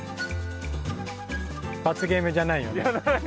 罰ゲームじゃないよね？じゃない。